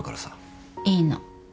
いいの。